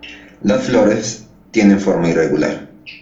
Las flores tienen forma irregular.